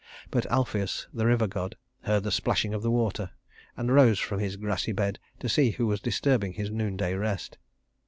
But Alpheus, the river god, heard the splashing of the water, and rose from his grassy bed to see who was disturbing his noon day rest.